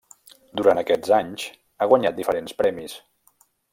Durant aquests anys, ha guanyat diferents premis.